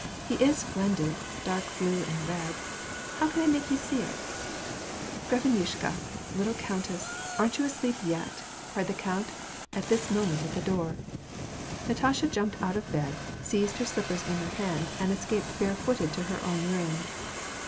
He is splendid, dark blue and red. How can I make you see it ?"" Graphinyushka — little countess ; aren't you asleep yet ?" cried the count at this moment at the door. Natasha jumped out of bed, seized her slippers in her hand, and escaped bare footed to her own room.